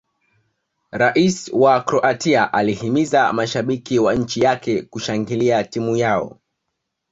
rais wa croatia alihimiza mashabiki wa nchi yake kushangilia timu yao